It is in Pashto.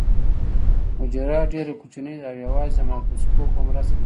حجره ډیره کوچنۍ ده او یوازې د مایکروسکوپ په مرسته لیدل کیږي